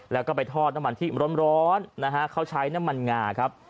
แล้วก็ไปทอดน้ำมันที่ร้อนนะฮะเขาใช้น้ำมันงาครับ